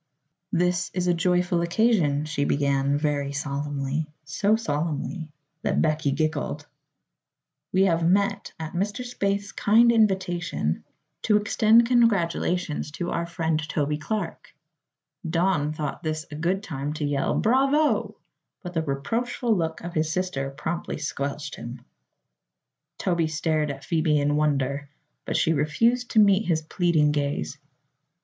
"This is a joyful occasion," she began, very solemnly so solemnly that Becky giggled. "We have met, at Mr. Spaythe's kind invitation, to extend congratulations to our friend Toby Clark." Don thought this a good time to yell "Bravo!" but the reproachful look of his sister promptly "squelched" him. Toby stared at Phoebe in wonder, but she refused to meet his pleading gaze.